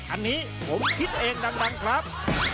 อันนี้ผมคิดเองดังครับ